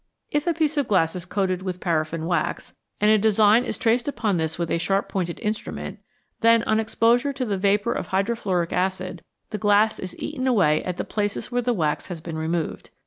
If a piece of glass is coated with paraffin wax, and a design is traced upon this with a 83 ACIDS AND ALKALIS sharp pointed instrument, then on exposure to the vapour of hydrofluoric acid the glass is eaten away at the places where the wax has been removed.